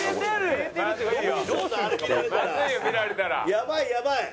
やばいやばい。